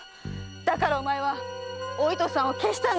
だからお前はお糸さんを消したんだ！